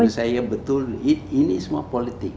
kalau saya betul ini semua politik